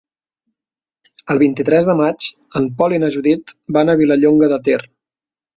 El vint-i-tres de maig en Pol i na Judit van a Vilallonga de Ter.